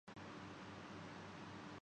بے شک ستم جناب کے سب دوستانہ تھے